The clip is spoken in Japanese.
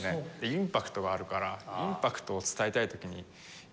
インパクトがあるからインパクトを伝えたい時にいいですよね。